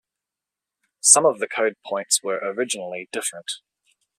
Some of the code points were originally different.